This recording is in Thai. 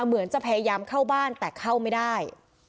เหมือนจะพยายามเข้าบ้านแต่เข้าไม่ได้